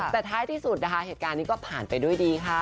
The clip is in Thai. แต่ท้ายที่สุดนะคะเหตุการณ์นี้ก็ผ่านไปด้วยดีค่ะ